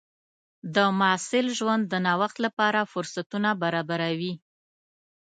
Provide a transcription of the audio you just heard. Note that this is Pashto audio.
د محصل ژوند د نوښت لپاره فرصتونه برابروي.